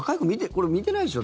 これ、見てないでしょ？